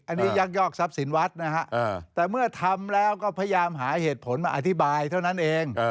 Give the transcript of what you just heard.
อันนี้ยักยอกทรัพย์สินวัดนะฮะแต่เมื่อทำแล้วก็พยายามหาเหตุผลมาอธิบายเท่านั้นเอง